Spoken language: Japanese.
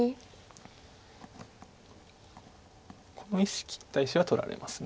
この１子切った石は取られます。